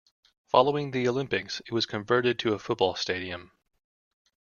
Following the olympics it was converted to a football stadium.